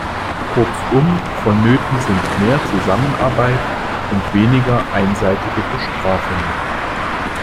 Kurzum, vonnöten sind mehr Zusammenarbeit und weniger einseitige Bestrafungen.